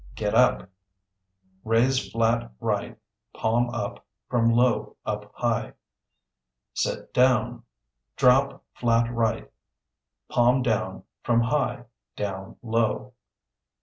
Get up (Raise flat right, palm up, from low up high). Sit down (Drop flat right, palm down, from high, down low).